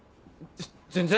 全然。